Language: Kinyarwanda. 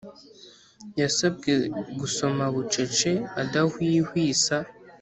Yasabwe Gusoma bucece adahwihwisa